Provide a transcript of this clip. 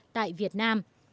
tại việt nam